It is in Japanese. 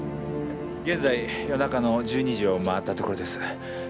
現在夜中の１２時を回ったところです。